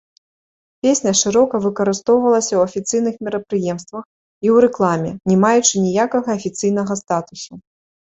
Песня шырока выкарыстоўвалася ў афіцыйных мерапрыемствах і ў рэкламе, не маючы ніякага афіцыйнага статусу.